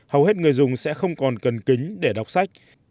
hầu hết người dùng sẽ không còn cần kính để đọc sách